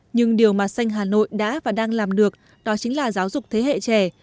nhưng điều mà xanh hà nội đã và đang làm được đó chính là giáo dục thế hệ trẻ